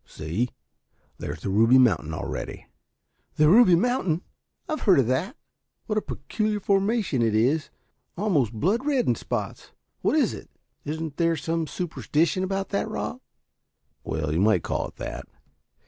See, there's the Ruby Mountain already." "The Ruby Mountain! I've heard of that. What a peculiar formation it is. Almost blood red in spots. What is it isn't there some superstition about the rock?" "Well, you might call it that.